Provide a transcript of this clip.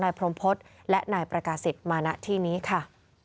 พรมพฤษและนายประกาศิษย์มาณที่นี้ค่ะ